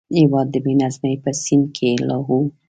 هېواد د بې نظمۍ په سین کې لاهو و.